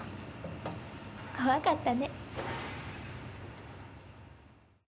怖かったね。